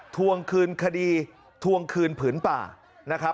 ทวงคืนคดีทวงคืนผื่นป่า